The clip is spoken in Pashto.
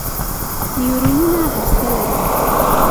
نیورونونه هسته لري.